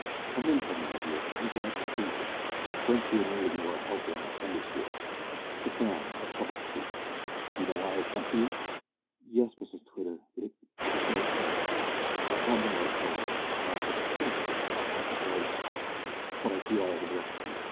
"Come in, Hetty, my dear; I'm glad to see you. My friends here know that you are a helper in our Sunday schools. Sit down, and have a cup of tea. You know why I have sent for you?" "Yes, Mrs Twitter. It it is very kind. Our Bible nurse told me, and I shall be so happy to come, because but I fear I have interrupted you.